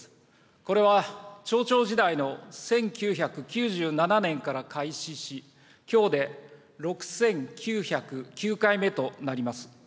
これは町長時代の１９９７年から開始し、きょうで６９０９回目となります。